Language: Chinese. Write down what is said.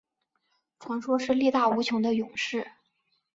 传说是力大无穷的勇士。